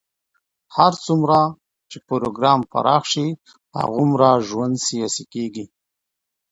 هر څومره چې پروګرام پراخ شي، هغومره ژوند سیاسي کېږي.